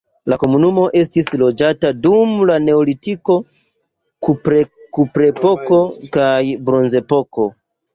La komunumo estis loĝata dum la neolitiko, kuprepoko kaj bronzepoko.